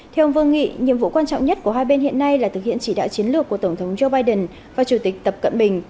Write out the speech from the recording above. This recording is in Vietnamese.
theo ông vương nghị nhiệm vụ quan trọng nhất của hai bên hiện nay là thực hiện chỉ đạo chiến lược của tổng thống joe biden và chủ tịch tập cận bình